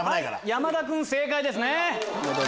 山田君正解ですね。